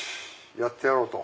やってやろうと。